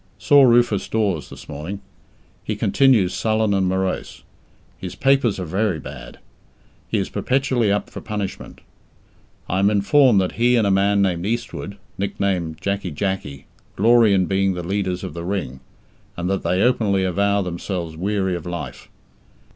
Saw Rufus Dawes this morning. He continues sullen and morose. His papers are very bad. He is perpetually up for punishment. I am informed that he and a man named Eastwood, nicknamed "Jacky Jacky", glory in being the leaders of the Ring, and that they openly avow themselves weary of life.